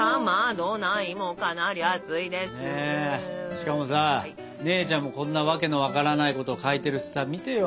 しかもさ姉ちゃんもこんな訳の分からないこと書いてるしさ見てよ。